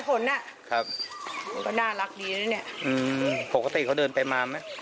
อ๋อฝนน่ะครับมันก็น่ารักดีนะเนี้ยอืมปกติเขาเดินไปมาไหม